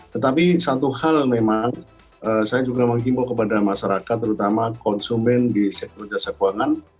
tetapi satu hal memang saya juga menghimbau kepada masyarakat terutama konsumen di sektor jasa keuangan